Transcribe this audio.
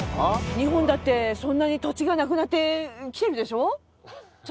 日本だってそんなに土地がなくなってきてるでしょ？